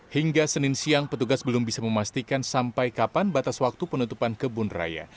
hingga senin siang petugas belum bisa memastikan sampai kapan batas waktu penutupan kebun raya